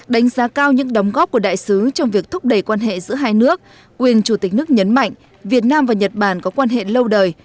đánh giá cao những đóng góp của đại sứ trong việc thúc đẩy quan hệ giữa hai nước quyền chủ tịch nước nhấn mạnh việt nam và nhật bản có quan hệ lâu đời